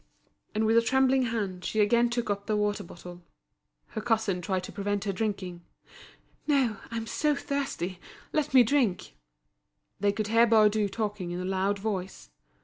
And with a trembling hand she again took up the water bottle. Her cousin tried to prevent her drinking. "No, I'm so thirsty, let me drink." They could hear Baudu talking in a loud voice.